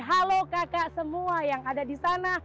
halo kakak semua yang ada di sana